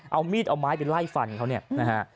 เอามีดเอาไม้ไปไล่ฟันเขาเนี่ยนะฮะ